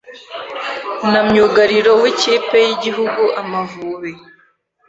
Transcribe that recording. na myugariro w’ikipe y’igihugu Amavubi